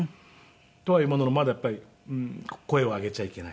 とは言うもののまだやっぱり声を上げちゃいけない。